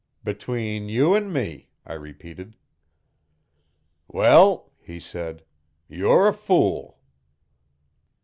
'Between you an' me,' I repeated. 'Well,' he said, you're a fool.'